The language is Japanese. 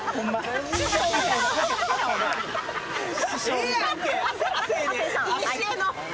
ええやんけ！